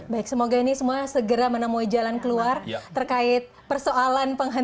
baik semoga ini semua segera menemui jalan keluarga